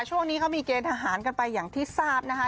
ช่วงนี้เขามีเกณฑ์ทหารกันไปอย่างที่ทราบนะคะ